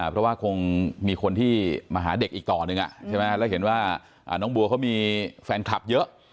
เพราะว่าคงมีคนที่มาหาเด็กอีกต่อหนึ่งใช่ไหมแล้วเห็นว่าน้องบัวเขามีแฟนคลับเยอะ